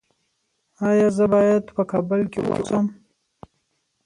ایا زه باید په کابل کې اوسم؟